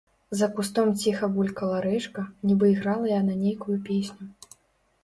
За кустом ціха булькала рэчка, нібы іграла яна нейкую песню.